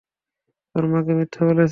ওর মাকে মিথ্যা বলেছে।